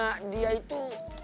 ma dia itu